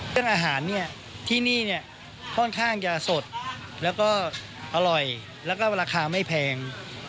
อาหารเนี่ยที่นี่เนี่ยค่อนข้างจะสดแล้วก็อร่อยแล้วก็ราคาไม่แพง